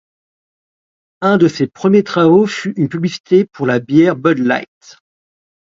Un de ses premiers travaux fut une publicité pour la bière Bud Light.